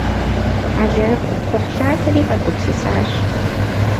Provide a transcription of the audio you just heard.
Алэрыбгъу-кхъухьлъатэри къагупсысащ.